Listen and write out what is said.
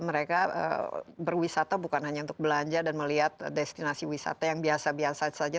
mereka berwisata bukan hanya untuk belanja dan melihat destinasi wisata yang biasa biasa saja